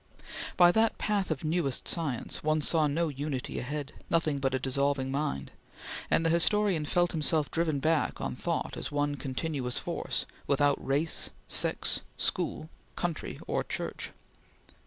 By that path of newest science, one saw no unity ahead nothing but a dissolving mind and the historian felt himself driven back on thought as one continuous Force, without Race, Sex, School, Country, or Church.